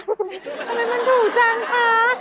ทำไมมันถูกจังคะ